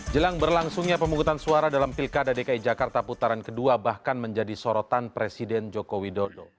jelang berlangsungnya pemungutan suara dalam pilkada dki jakarta putaran kedua bahkan menjadi sorotan presiden joko widodo